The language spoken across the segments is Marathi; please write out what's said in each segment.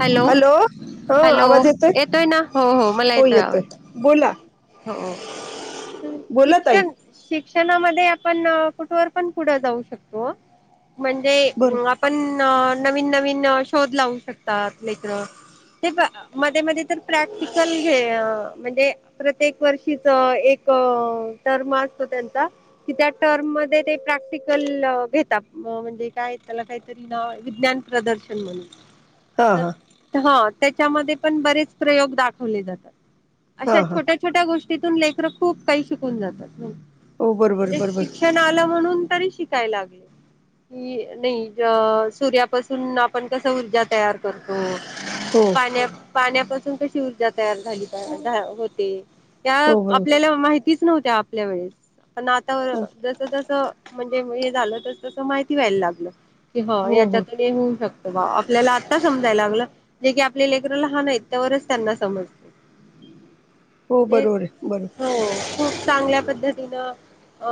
हॅलो हा हॅलो आवाज येतोय ना हो हो मला येतोय आवड हो बोला ताई शिक्षण शिक्षणामध्ये आपण कुठे ववर पण पुढं जाऊ शकतो म्हणजे बर आपण नवीन नवीन शोध लावू शकतात लेकर ते मध्ये मध्ये तर प्रॅक्टिकल घे म्हणजे प्रत्येक वर्षीच एक टर्म असतो त्यांचा कि त्या टर्म मध्ये ते प्रॅक्टिकल घेतात म्हणजे काय त्याला काहीतरी विज्ञान प्रदर्शन म्हण हा हा तर ह त्याच्यामध्ये पण बरेच प्रयोग दाखवले जातात अशा हा हा छोट्या छोट्या गोष्टीतून लेकरं खूप काही शिकून जातात हो बरोबर बरोबर [unintelligible] आल म्हणून तरी शिकाय लागेल कि नाही सूर्यापासून आपण कस ऊर्जा तयार करतो हो पाण्या पाण्यापासून कशी ऊर्जा तयार झाली होते त्या हो बरोबर आपल्याला माहितीच नव्हत्या आपल्या वेळेस पण आता हो जस जस म्हणजे हे झालं तस तस माहिती व्हायला लागलं कि हो याच्यातून हे होऊ शकतं बा आपल्याला आत्ता समजायला लागलं जे की आपले लेकरं लहान आहेत तोवरच त्यांना समजत हो बरोबर आहे बरोबर हो खूप चांगल्या पद्धतीनं अ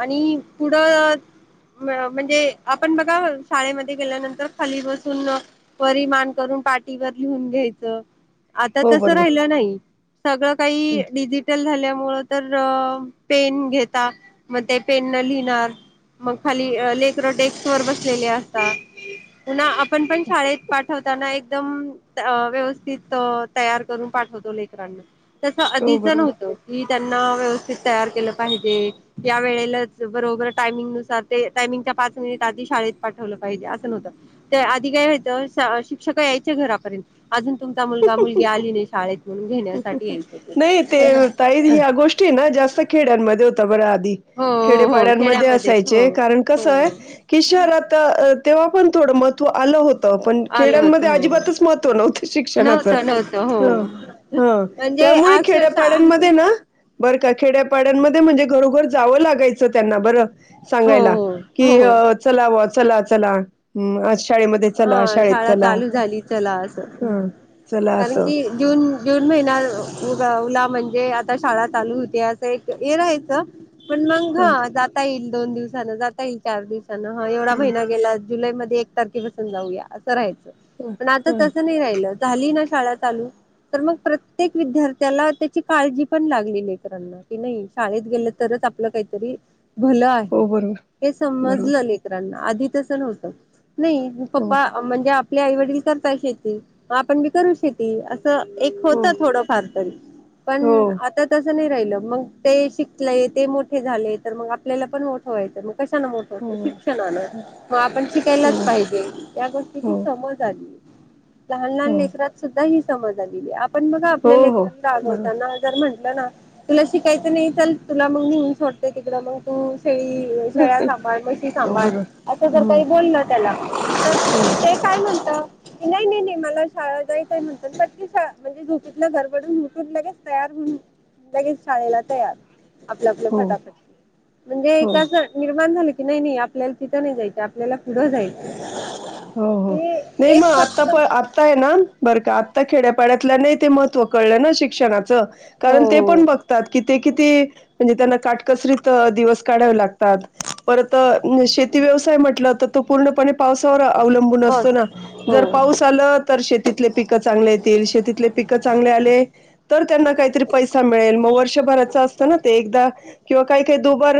आणि पुढं म्हणजे आपण बघा शाळेमध्ये गेल्यानंतर खाली बसून परिमान करून पाठीवर लिहून घ्यायचं आता हो तसं बरोबर राहिलं नाही सगळं काही डिजिटल झाल्यामुळ तर पेन घेता मग ते पेन न लिहिणार मग खाली लेकरं डेस्क वर बसलेले असतात पु्हा आपण पण शाळेत पाठवताना एकदम व्यवस्थित तयार करून पाठवतो लेकरांना तसं हो आधीच बरोबर नव्हतं की त्यांना व्यवस्थित तयार केलं पाहिजे या वेळेलाच बरोबर टायमिंग नुसार ते टायमिंगच्या पाच मिनिट आधी शाळेत पाठवलं पाहिजे असं नव्हतं त्या आधी काय व्हायचं शिक्षक यायचे घरापर्यंत अजून तुमचा मुलगा मुलगी आली नाही शाळेत म्हणून घेण्यासाठी यायचे ते [unintelligible] हे न जास्त खेड्यांमध्ये होता बरं आधी हो हो हो खेडेपाड्यांमध्ये खेड्यामध्येच हो असायचे कारण कसं हो आहे की शहरात तेव्हा पण थोडं महत्त्व आलं होत पण आलं होत खेड्यांमध्ये हो अजिबातच महत्त्व नव्हतं शिक्षणाचं नव्हतं नव्हतं ह हो हा म्हणजे त्यामुळे अक्षरशः खेड्यापाड्यांमध्ये ना बरं का खेड्यापाड्यांमध्ये म्हणजे घरोघर जावं लागायचं त्यांना बरं हो सांगाय हो हो हो क चला चला चला शाळेमध्ये हा चला शाळेत शाळा चला चालू झाली चला अस हा चला कारण असं की जून जून महिनाला म्हणजे आता शाळा चालू होते असं एक हे राहायचं पण मग ह जाता येईल दोन दिवसान जाता येईल चार दिवसान ह एवढा महिना गेला जुलैमध्येध्ये एक तारखेपासून जाऊया असं राहायचं पण आता तसं नाही राहिल झाली ना शाळ आलू तर मग प्रत्येक विद्यार्थ्याला त्याची काळजी पण लागली लेकरांना कि नाही शाळेत गेलं तरच आपलं काहीतरी भलं आहे हो बरोबर हे बरोबर समजलं लेकरांना आधी तसं नव्हतं नाही हो पप्पा म्हणजे आपले आई वडील करता शेतीग आपण बी करू शेती एक हो होत थोडंफार तरी पण हो आता तसं नाही राहिलं मग ते शिकले ते मोठे झाले तर मग आपल्याला पण मोठं व्हायचं मग कशाना मोठ हो शिक्षणानं हो मग आपण हो शिकायलाच हो पाहिजे या गोष्टीची सवय लहान लहान हो लेकरात सुद्धा ही समज आली पण बघा हो आपल्या हो लेकरांना बरोबर [unintelligible] म्हटलं ना तुला शिकायच नाही चल तुला मग नेऊन सोडते तिकडं मग तु शेळी शळ सांभाळ बशी हो सांभाळ बरोबर असं जर काही बोल ना त्याला हम ते काय म्हणत नाही नाही नाही मला शाळा जायचय म्हणत पण ती श म्हणजे झोपतलं घरबडून उटून लगेच तयार होऊन लगेच शाळेला तयार आपलं आपलं हो फटाफट म्हणजे हो कसं निर्माण झालं की नाही नाही आपल्याला तिथं नाही जायचं आपल्याला पुढं जायचं हो हो हे नाही एक मग आता फक्त पण आहे ना बरं का आता खेड्यापाड्यातल्या नाही ते महत्व कळलं ना शिक्षणाात हो कारण ते पण हो बघतात कि ते किती म्हणजे त्यांना काटकसरीत दिवस काढावे लागतात परत शेती व्यवसाय म्हटलं तर तो पूर्णपणे पावस अवलंबून असतो बस ना हो जर पाऊस आला तर शेतीले पिक चांगले आहेत शेती पिक चांगले आले तर त्यांना काहीतरी पै मिळेल मग वर्षभरा ना ते एकदा किंवा काही काही दुबार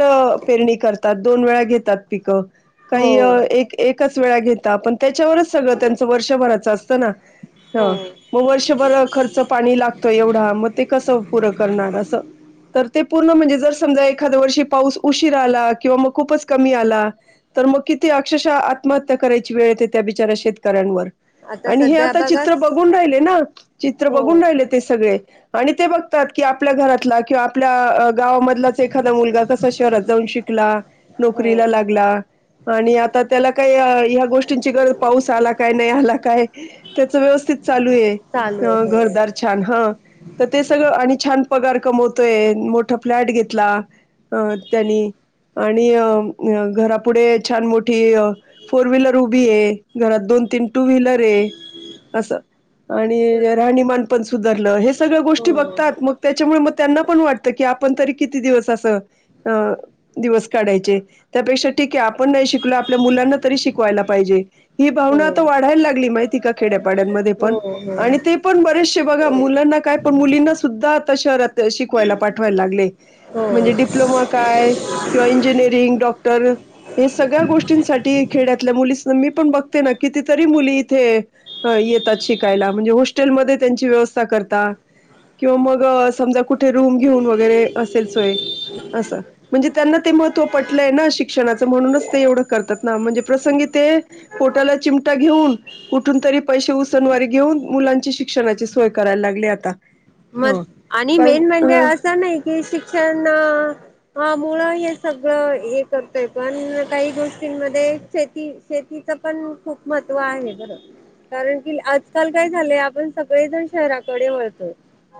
पेरणी करतात दोन वेळा घेतात पिकं हो काही एकच वे घे पण त्याच्यावरच सगळं त्यांच वर्षभराचं असतं ना हो हा मग वर्षभर खर्च पाणी लागतं एवढा मग ते कसं पुरं करणार असं तर ते पूर्ण म्हणजे जर समजा एखाद्या वर्षी पाऊस उशीर आला किंवा मग खूपच कमी आला तर मग किती अक्षशः आत्महत्या करायची वेळ येते त्या बिचाऱ्या शेतकऱ्यांवर आणि हे सध्या आता बघा चित्र बघून राहिले ना चित्र हो बघून राहिले ते सगळे आणि ते बघतात की आपल्या घरातला किंवा आपल्या गावामधलाच एखादा मुलगा क जा श हो नोरी ला आ त्या ह्या गोष्टींची गरज पाऊस आला काय नाही आला काय त्याच व्यवस्थित चालू आहे घरदार छान ह तर ते सगळं आणि छान पगार कमवतोय मोठा फ्लॅट घेतला अ त्यांनी आणि घरापुढे छान मोठी फोर व्हीलर उभी आहे घरात दोन तीन टू व्हीलर आहे तसं आणि राहणीमानपण सुधरलं हे सगळ्या हो गोष्टी बघतात मग त्याच्यामुळे मग त्यांना पण वाटतं की आपण तरी किती दिवस असं अ दिवस काढायचे त्यापेक्षा ठीक आहे आपण नाही शिकल आपल्या मुलांना त शिकवायला ह भाव हो वाढायला लागली माती खेडपाडमध्ये पण हो हो पण बरेचसे बघा मुलांना काय पण मुलींना सुद्धा शहरात शिकवायला पाठवायला लागले हो म्हणजे डिप्लोमा काय किंवा इंजिनिअरिंग डॉक्टर हे सगळ्या गोष्टींसाठी खेड्यातल्या मुलीस मी पण बघते ना कितीतरी मुली इथे ह येतात शिकायला म्हणजे हॉस्टेलमध्ये त्यांची व्यवस्था करता किंवा मग समजा कुठे रूम घेऊन वगैरे असेल सोय असं म्हणजे त्यांना ते महत्त्व पटलंय ना शिक्षणाचं म्हणूनच ते एवढं करतात ना म्हणजे प्रसंगी ते पोटाला चिमटा घेऊन कुठून तरी पैसे उसनवारी घेऊन मुलांची शिक्षणाची सोय करायला लागली आता मग ह आणि कारण मेन म्हणजे ह असं नाही कि शिक्षण हा मुळ हे सगळं हे करतय पण काही गोष्टींमध्ये शेती शेतीच पण खूप महत्त्व आहे बरोबर कारण की आजकाल काय झालंय आपण सगळेजण शहराकडे वळतो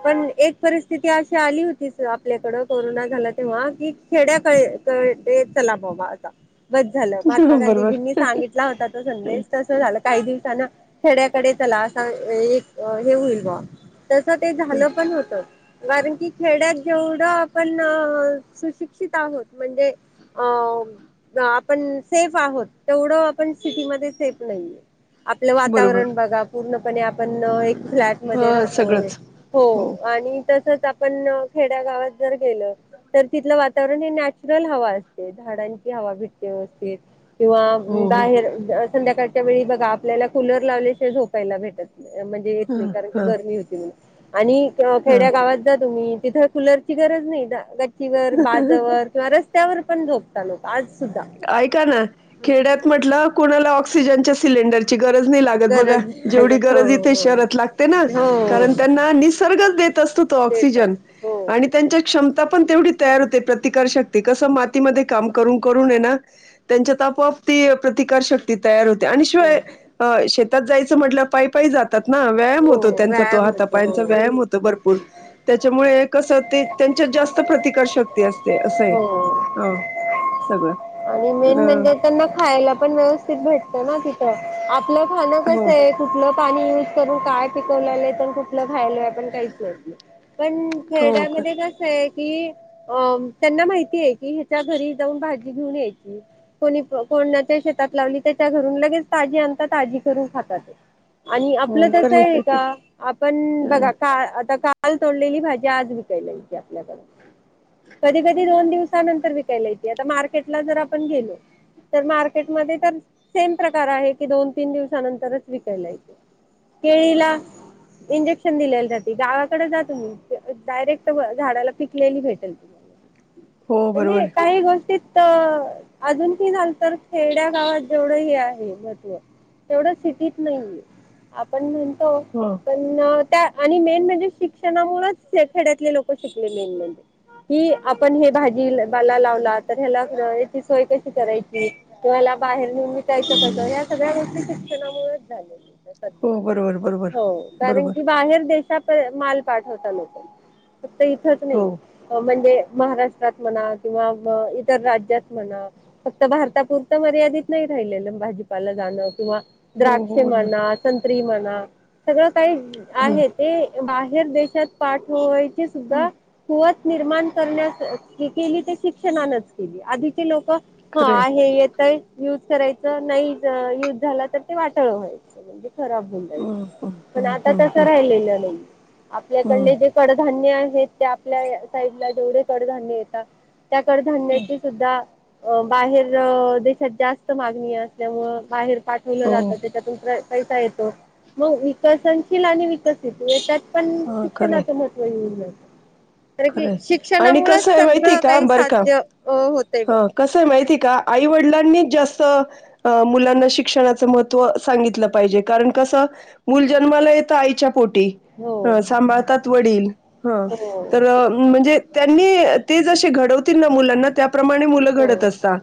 पण एक परिस्थिती अशी आली होती आपल्याकड कोरोना झाला तेव्हा की खेड्या चलाम हवा आता ब झालं महात्मा गांधीजींनी बरोबर सांगितला होता तो संदेश त झा काही दिवसा खेड्याकडे चला अस एक हे होईल बा तस ते झालं पण होतं कारण की खेड्यात जेवढं आपण सुशिक्षित आहोत म्हणजे अ आपण सेफ आहोत तेवढं आपण सिटीमध्ये सेफ नाहीये आपलं बरोबर वातावरण बघा पूर्णपणे आपण एक फ्लॅट मध्ये ह राहतो सगळंच हो आणि तसच आपण खेड्या गावात जर गेल तर तिथलं वातावरण हे नॅचरल हवा असते झाडांची हवा भिट व्यवस्थित किंवा हो हो बाहेर संध्याकाळच्या वेळी बघा आपल्याला कुलर लावल्याशिवाय झोपायला भेटत म्हणजे येत ह नाही कारण की ह गरमी होती म्हणून आणि खेड्या गावात जा तुम्ही तिथं कुलरची गरज नाही दा गची चिवर ह बाजवर किंवा रस्त्यावर पण झोपतात लोक आज सुद्धा ऐका ना खेड्यात म्हटलं कुणाला ऑक्सिजनच्या सिलेंडर ची गरज नाही लागत बघा गरज नाही जेवढी लागत हो गरज इथे हो शहरात लागते ना हो कारण त्यांना निसर्गच देत असतो तो तेच ऑक्सिजन असत हो आणि त्यांच्यात क्षमता पण तेवढी तयार होते प्रतिकारशक्ती कसं मातीमध्ये काम करून करून हेना त्यांच्यात आपोआप ती प्रतिकार शक्ती तयार होते आणि हो शिवाय ह शेतात जायचं म्हटलं पायी पायी जात तात ना व्यायाम हो होतो त्यांचा तो व्यायाम हाता होतो पायांचा हो व्यायाम होतो भरपूर त्याच्यामुळे कसं ते त्यांच्यात जास्त प्रतिकार शक्ती असते असं आहे हो ह आणि मेन म्हणजे त्यांना खायला पण व्यवस्थित भेटतं ना तिथं आपलं खाणं हो कस आहे कुठलं पाणी काय पिकवलेलं आहे नाही तर कुठलं खायलोय आपण काहीच माहित नाही पण हो कर खेड्यामध्ये कसं आहे कि अ त्यांना माहिती आहे की हिच्या घरी जाऊन भाजी घेऊन यायची कोणी कोणाच्या शेतात लावली त्याच्या घरून लगेच ताजी आणता ताजी करून खातात आणि हो आपलं तस खरे आहे का आपण बघा का आता का काल तोडलेली भाजी आज विकायला येते आपल्याकडं कधी कधी दोन दिवसानंतर विकायला येते आता मार्केटला जर आपण गेलो तर मार्केटमध्ये तर सेम प्रकार आहे की दोन तीन दिवसानंतरच विकायला येते केळीला इंजेक्शन दिलेली जाते गावाकडे जा तुम्ही डायरेक्ट झाडाला पिकलेली भेटेल हो म्हणजे बरोबर काही गोष्टी अजून कि झालं तर खेड्या गावात जेवढं हे आहे महत्व तेवढ्या सिटीत नाहीये आपण म्हणतो हो पण त्या आणि मेन म्हणजे शिक्षणामूळंच खेड्यातले लोक शिकले मेन म्हणजे कि आपण हे भाजी पाला लावला तर ह्याला हेची सोय कशी करायची म ह्याला बाहेर नेऊन विकायचं कसं या सगळ्या गोष्टी शिक्षणामुळेच झालेत हो बरोबर बरोबर हो कारण बरोबर की बाहेर देश प माल पाठवता लोककं फक्त इथंच हो नाही म्हणजे महाराष्ट्रात म्हणा किंवा इतर राज्यात म्हणा फक्त भारतापुरतं मर्यादित नाही राहिलेलं भाजीपाला जाणं किंवा हो द्राक्ष हो बरोबर म्हणा संत्री म्हणा सगळं काही हो आहेत ते बाहेर देशात पाठवायचे सुद्धा कुवत निर्माण करण्यास केली ते शिक्षणानच केली आधीचे लोकं हा खरंय हे येतंय युज करायचं नाही युज झाला तर ते वाटोळ व्हायचं म्हणजे खराब होऊन जायचं पण आता तसं राहिलेलं नाही आपल्याकडले जे कडधान्य आहेत ते आपल्या साईड ला जेवढे कडधान्य येतात त्या कडधान्याची सुद्धा बाहेर देशात जास्त मागणी अस ल्यामुळं बाहेर पाठवलं हो जातं त्याच्यातून प्र पैसा येतो मग विकसनशील आणि विकसित हेच्यात पण खरंय शिक्षणाचं महत्त्व होऊन जातं तर की खरंय आणि शिक्षणामुळंच कसं आहे माहिती सगळं का काही बरं का साध्य होतंय बा हं, कसं माहिती आहे का आईवडिलांनीच जास्त अ मुलांना शिक्षणाचं महत्त्व सांगितलं पाहिजे कारण कसं मूल जन्माला येतं आईच्या पोटी हो हं सांभाळतात वडील हं. तर हो म्हणजे त्यांनी ते जे घडवतील ना मुलांना त्याप्रमाणे मुलं हो घडत असता.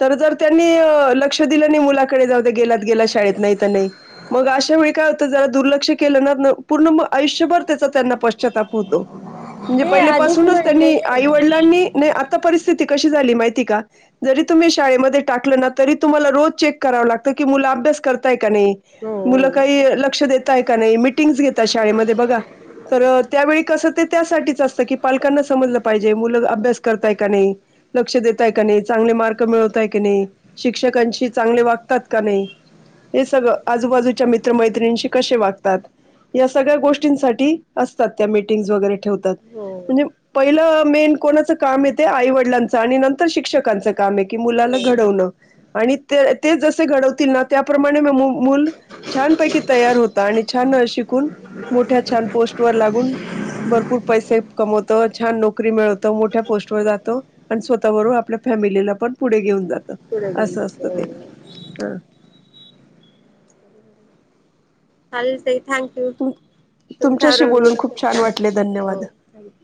तर जर त्यांनी अ लक्ष दिलं नाही मुलाकडे जाऊ गेलात गेला शाळेत नाही तर नाही. मग अशा वेळी काय होतं. जला दुर्लक्ष केलं ना पूर्ण मग आयुष्यभर त्याचा त्यांना पश्चाताप होतो. म्हणजे ते पहिले आधीच पाासूनच त्यांनी म्हणलेले. आई वडिलांनी नाही आता परिस्थिती कशी झाली माहिती का, जरी तुम्ही शाळेमध्ये टाकलं ना तरी तुम्हाला रोज चेक करावं लागतं की मु अभ्यास कर का नाही हो. मुल काही लक्ष देताय का नाही मि मीटिंग घेतात शाळेमध्ये बघा तर त्यावेळी कसं ते त्यासाठी असत की पालकांना समजलं पाहिजे मुलं अभ्यास करताय का नाही. लक्ष देताय का नाही चांगले मार्क मिळवतय की नाही. शिक्षकांशी चांगले वागतात का नाही. हे सगळं आजूबाजूच्या मित्रमैत्रिनिशी कसे वागतात. या सगळ्या गोष्टींसाठी असतात त्या मीटिंग्स वगैरे ठेवतात. हो म्हणजे पहिलं मेन कोणाचं काम येते आईवडिलांचं आणि नंतर शिक्षकांच. काम आहे की, मुलाला हो. घडवलं आणि ते ते जसे घडवतील त्याप्रमाणे मु मुल छानपैकी तयार होत आणि छान शिकून मोठ्या छान पोस्ट वर लागून भरपूर पैसे कमवतो छान नोकरी मिळवत मोठ्या पोस्ट वर जातो. प स्वतः बरोब आपल्या फॅमिलीला पण पुढे घेऊन जातात पुढे घेऊन असं जाते असतं ते ह. चालेल ताई थँक्यू ह तुम तुमच्याशी बोलून खूप छान वाटले धन्यवाद [unintelligible]